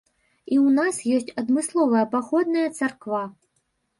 І ў нас ёсць адмысловая паходная царква.